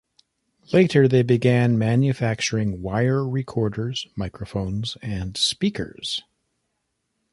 Later they began manufacturing wire recorders, microphones, and speakers.